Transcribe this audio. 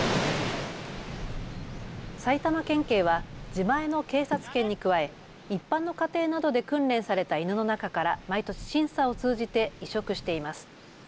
埼玉県警は自前の警察犬に加え一般の家庭などで訓練された犬の中から毎年、審査を通じて委嘱しています。